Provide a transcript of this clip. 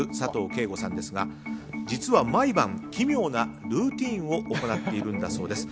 景瑚さんですが実は毎晩奇妙なルーティンを行っているんだそうです。